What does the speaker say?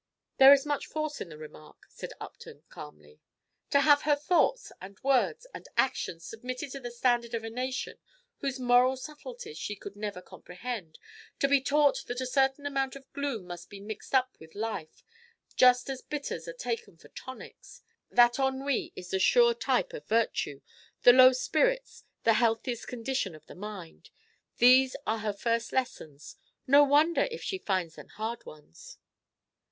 "There is much force in the remark," said Upton, calmly. "To have her thoughts, and words, and actions submitted to the standard of a nation whose moral subtleties she could never comprehend; to be taught that a certain amount of gloom must be mixed up with life, just as bitters are taken for tonics; that ennui is the sure type of virtue, and low spirits the healthiest condition of the mind, these are her first lessons: no wonder if she find them hard ones.